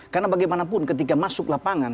karena bagaimanapun ketika masuk lapangan